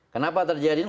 kenapa terjadi ini